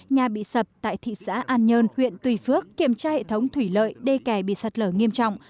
nhà bị sập tại thị xã an nhơn huyện tùy phước kiểm tra hệ thống thủy lợi đê kè bị sạt lở nghiêm trọng